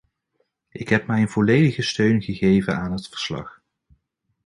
Ik heb mijn volledige steun gegeven aan het verslag.